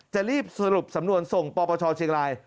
จะรีบสรุปสำนวนส่งปปชเชียงราย